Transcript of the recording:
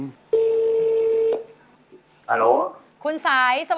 แผ่นไหนครับ